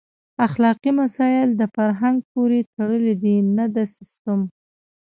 اخلاقي مسایل د فرهنګ پورې تړلي دي نه د سیسټم.